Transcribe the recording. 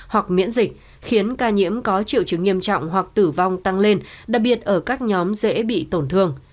hoặc miễn dịch khiến ca nhiễm có triệu chứng nghiêm trọng hoặc tử vong tăng lên đặc biệt ở các nhóm dễ bị tổn thương